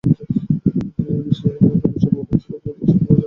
এই বিষয়েই বর্তমানে সর্বাপেক্ষা অধিক শিক্ষা দেওয়া প্রয়োজন।